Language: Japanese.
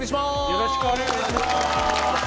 よろしくお願いします！